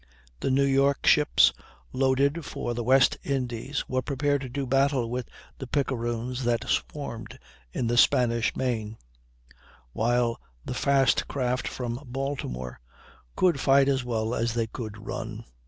The New York ships, loaded for the West Indies, were prepared to do battle with the picaroons that swarmed in the Spanish main; while the fast craft from Baltimore could fight as well as they could run.